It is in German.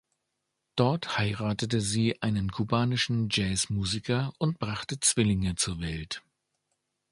Dort heiratete sie einen kubanischen Jazz-Musiker und brachte Zwillinge zur Welt.